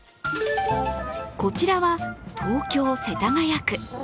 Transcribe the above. こちらは、東京・世田谷区。